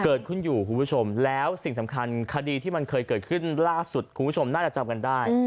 เกิดขึ้นอยู่คุณผู้ชมแล้วสิ่งสำคัญคดีที่มันเคยเกิดขึ้นล่าสุดคุณผู้ชมน่าจะจำกันได้